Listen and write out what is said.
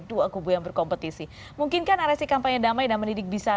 dua kubu yang berkompetisi mungkinkan narasi kampanye damai dan mendidik bisa